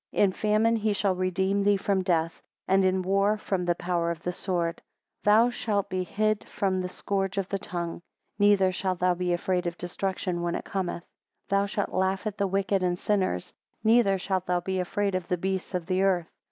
In famine he shall redeem thee from death; and in war from the power of the sword. 10 Thou shalt be hid from the scourge of the tongue; neither shalt thou be afraid of destruction when it cometh. 11 Thou shalt laugh at the wicked and sinners; neither shalt thou be afraid of the beasts of the earth.